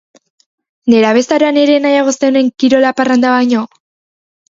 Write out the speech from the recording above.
Nerabezaroan ere nahiago zenuen kirola parranda baino?